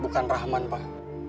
bukan rahman pak